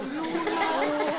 「ハハハハ！」